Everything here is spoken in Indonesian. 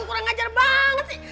kurang ngajar banget sih